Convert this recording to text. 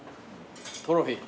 トロフィー。